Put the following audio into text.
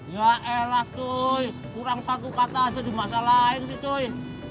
ya elah cuy kurang satu kata aja di masa lain sih cuy